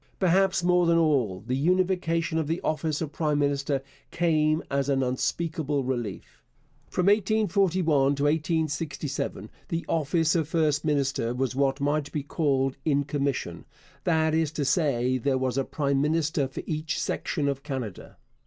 Perhaps more than all, the unification of the office of prime minister came as an unspeakable relief. From 1841 to 1867 the office of first minister was what might be called in commission, that is to say, there was a prime minister for each section of Canada.